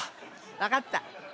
わかった。